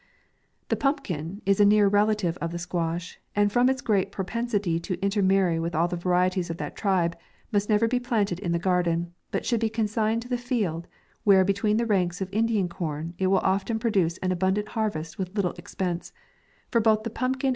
THE PUMPKIN is a near relative of the squash, and from it*, great propensity to intermarry with all the varieties of that tribe, must never be planted in the garden ; but should be consigned to the field, where, between the ranks of Indian corn, it will often produce an abundant harvest with little expense ; for both the pumpkin 118 MAY.